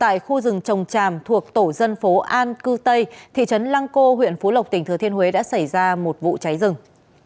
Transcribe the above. tại khu rừng trồng tràm thuộc tổ dân phố an cư tây thị trấn lăng cô huyện phú lộc tỉnh thừa thiên huế đã xảy ra một vụ cháy rừng